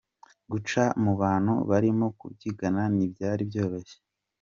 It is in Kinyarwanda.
Guca mu bantu barimo kubyigana ntibyari byoroshye.